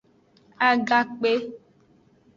Agakpe.